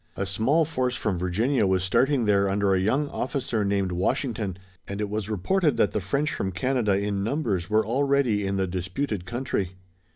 A small force from Virginia was starting there under a young officer named Washington, and it was reported that the French from Canada in numbers were already in the disputed country.